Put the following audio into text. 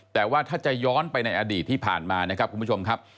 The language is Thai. แต่ว่าถ้าจะย้อนไปในอดีตที่ผ่านมานะครับคุณผู้ชมครับ